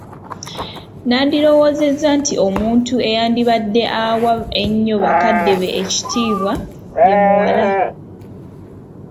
Nandirowoozezza nti omuntu eyandibadde awa ennyo bakadde be ekitiibwa ye muwala.